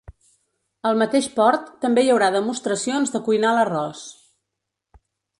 Al mateix port també hi haurà demostracions de cuinar l’arròs.